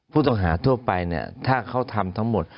ผู้ตำหาทั่วไปถ้าเขาทำทั้งหมด